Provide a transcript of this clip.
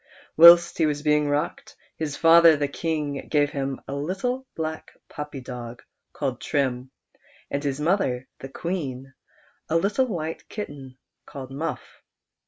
Whilst he was being rocked, his father the Kinij gave him a little black puppy dof^ called Trim, and his mother the Queen a little white kitten called Muff.